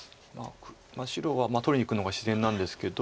白は取りにいくのが自然なんですけど。